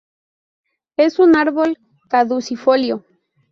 Es un árbol caducifolio.